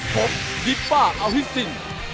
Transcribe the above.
พบดิปป้าเอาฮิสติง